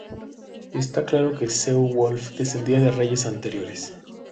Está claro que Ceolwulf descendía de reyes anteriores.